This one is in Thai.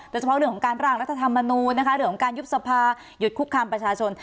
โดยเฉพาะเรื่องของการร่างรัฐธรรมนูลนะคะเรื่องของการยุบสภาหยุดคุกคามประชาชน